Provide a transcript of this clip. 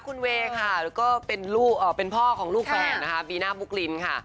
คุณเวย์ค่ะแล้วก็เป็นพ่อของลูกแฝดนะคะบีน่าบุ๊กลินค่ะ